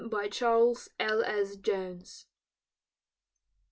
CHARLES L. S. JONES.